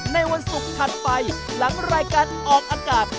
ในวันศุกร์ถัดไปหลังรายการออกอากาศ